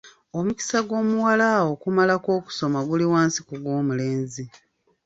Omukisa gw'omuwala okumalako okusoma guli wansi ku gw'omulenzi.